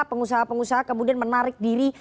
pengusaha pengusaha kemudian menarik diri